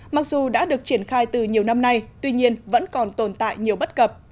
mặc dù đã được triển khai từ nhiều năm nay tuy nhiên vẫn còn tồn tại nhiều bất cập